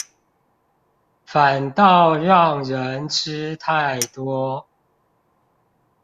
反倒讓人吃太多